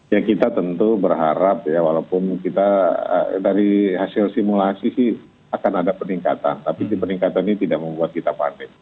ya kita tentu berharap ya walaupun kita dari hasil simulasi sih akan ada peningkatan tapi peningkatan ini tidak membuat kita panik